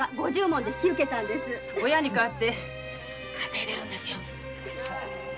親に代わって稼いでるんですよ。